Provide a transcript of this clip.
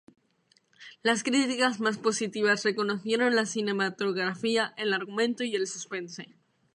Las críticas más positivas reconocieron la cinematografía, el argumento y el suspense.